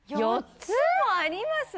４つもあります？